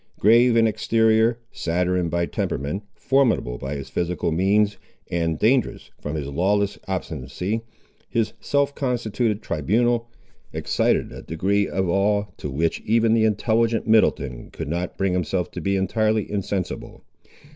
Grave in exterior, saturnine by temperament, formidable by his physical means, and dangerous from his lawless obstinacy, his self constituted tribunal excited a degree of awe, to which even the intelligent Middleton could not bring himself to be entirely insensible.